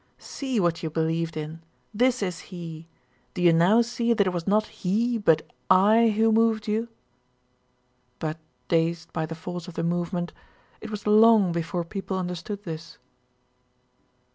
"See what you believed in! This is he! Do you now see that it was not he but I who moved you?" But dazed by the force of the movement, it was long before people understood this.